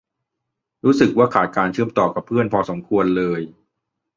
รู้สึกว่าขาดการเชื่อมต่อกับเพื่อนพอควรเลย